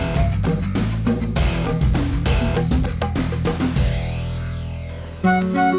kamu juga seperti biksu di luar sana